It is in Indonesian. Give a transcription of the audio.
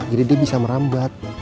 jadi dia bisa merambat